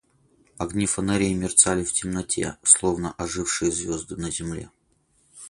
Огни фонарей мерцали в темноте, словно ожившие звезды на земле.